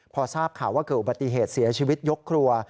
พอทราบข่าวว่าเกิดอุบัติเหตุเสียชีวิตยกครัว